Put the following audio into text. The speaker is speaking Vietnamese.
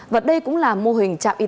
vật đây cũng là mô hình trạm y tế